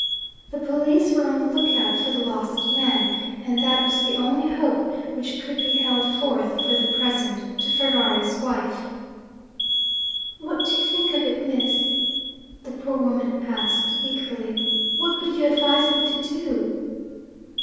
The police were on the look out for the lost man and that was the only hope which could be held forth for the present, to Ferrari's wife. 'What do you think of it, Miss?' the poor woman asked eagerly. 'What would you advise me to do?'